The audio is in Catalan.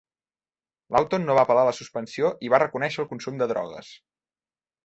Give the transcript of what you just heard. Lawton no va apel·lar la suspensió i va reconèixer el consum de drogues.